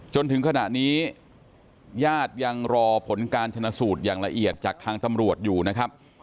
จนถึงขณะนี้ญาติยังรอผลการชนะสูตรอย่างละเอียดจากทางตำรวจอยู่นะครับ